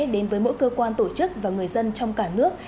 đến với mỗi cơ quan tổ chức và người dân trong cả nước